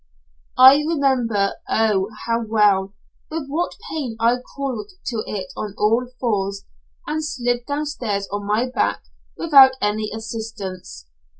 I remember oh! how well! with what pain I crawled to it on all fours, and slid down stairs on my back without any assistance.